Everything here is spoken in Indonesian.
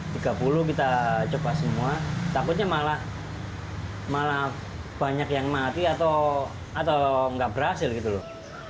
tiga puluh kita coba semua takutnya malah banyak yang mati atau nggak berhasil gitu loh